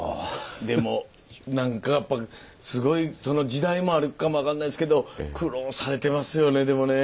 でもなんかやっぱりすごいその時代もあるかも分かんないですけど苦労されてますよねでもね。